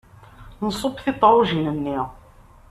Nṣubb tiṭṛujin-nni.